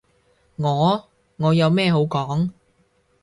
我？我有咩好講？